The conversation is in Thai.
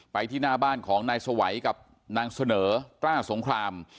ที่หน้าบ้านของนายสวัยกับนางเสนอกล้าสงคราม